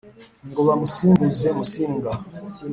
ngo bamusimbuze Musinga